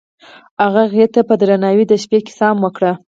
هغه هغې ته په درناوي د شپه کیسه هم وکړه.